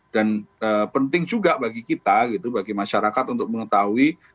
dan penting juga bagi kita gitu bagi masyarakat untuk mengetahui